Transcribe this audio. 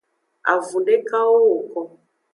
Avunwo dekawo woko.